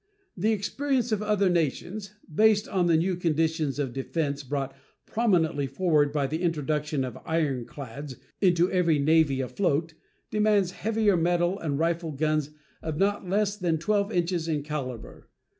The experience of other nations, based on the new conditions of defense brought prominently forward by the introduction of ironclads into every navy afloat, demands heavier metal and rifle guns of not less than 12 inches in caliber.